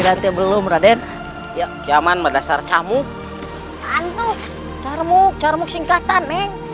kiratnya belum raden ya kiaman berdasar camuk antuk carmuk carmuk singkatan